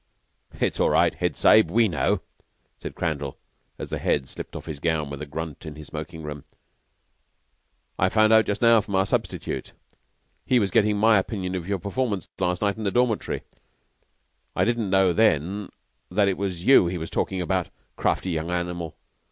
"It's all right, Head Sahib. We know," said Crandall, as the Head slipped off his gown with a grunt in his smoking room. "I found out just now from our substitute. He was gettin' my opinion of your performance last night in the dormitory. I didn't know then that it was you he was talkin' about. Crafty young animal.